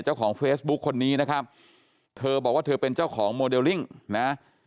เจ้าของเฟซบุ๊คคนนี้นะครับเธอบอกว่าเธอเป็นเจ้าของโมเดลลิ่งนะ